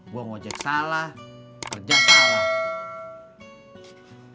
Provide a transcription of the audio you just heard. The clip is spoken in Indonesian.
gue ngojek salah kerja salah